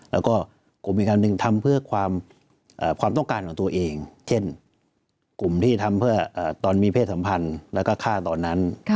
แล้วก็กลุ่มอีกคันหนึ่งทำเพื่อความต้องการของตัวเองเช่นกลุ่มที่ทำเพื่อตอนมีเพศสัมพันธ์แล้วก็ฆ่าตอนนั้น